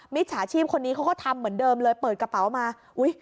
จฉาชีพคนนี้เขาก็ทำเหมือนเดิมเลยเปิดกระเป๋ามาอุ้ย